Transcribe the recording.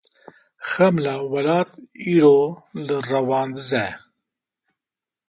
Xemla Welat îro li Rewandiz e.